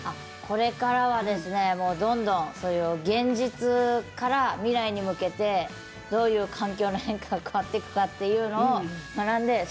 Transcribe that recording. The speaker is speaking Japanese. これからはどんどん現実から未来に向けてどういう環境の変化が変わっていくかっていうのを学んで。